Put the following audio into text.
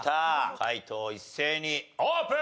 解答一斉にオープン！